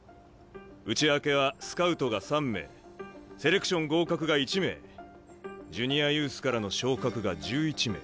内訳はスカウトが３名セレクション合格が１名ジュニアユースからの昇格が１１名。